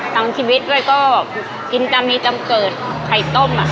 ชีวิตด้วยก็กินตำมีตำเกิดไข่ต้ม